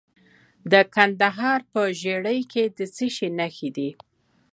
د کندهار په ژیړۍ کې د څه شي نښې دي؟